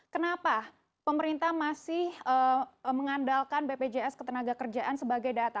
kenapa pemerintah masih mengandalkan bpjs ketenagakerjaan sebagai data